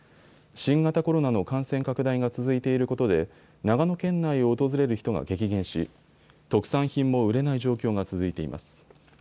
新型コロナの感染拡大が続いていることで長野県内を訪れる人が激減し、特産品も売れない状況が続いています。